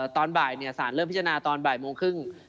ตอนบ่ายสารเริ่มพิจารณาตอนบ่ายโมงครึ่ง